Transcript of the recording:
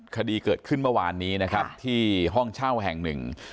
คดีเกิดขึ้นเมื่อวานนี้นะครับที่ห้องเช่าแห่งหนึ่ง